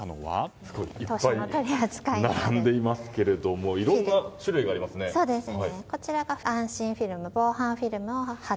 すごいいっぱい並んでいますけれどもいろんな種類がありますね。